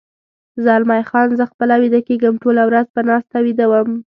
زلمی خان: زه خپله ویده کېږم، ټوله ورځ په ناسته ویده وم.